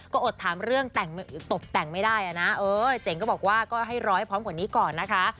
ก็อดถามเรื่องแต่งตบแต่งไม่ได้นะเออเจ๋งก็บอกว่าก็ให้ร้อยพร้อมกว่านี้ก่อนนะคะ